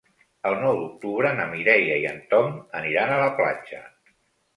El nou d'octubre na Mireia i en Tom aniran a la platja.